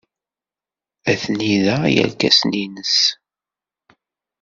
Atni da yerkasen-nnes.